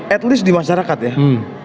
at least di masyarakat ya